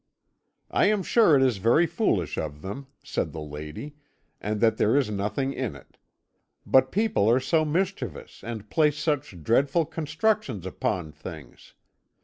"'I am sure it is very foolish of them,' said the lady, 'and that there is nothing in it. But people are so mischievous, and place such dreadful constructions upon things!